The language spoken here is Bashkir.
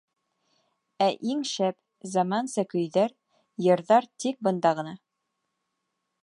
Ә иң шәп, заманса көйҙәр, йырҙар тик бында ғына.